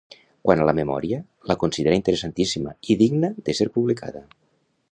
Quant a la Memòria, la considera interessantíssima i digna d'ésser publicada.